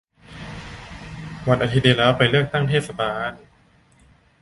วันอาทิตย์นี้แล้ว ! ไปเลือกตั้งเทศบาล